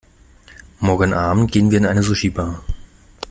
Morgenabend gehen wir in eine Sushibar.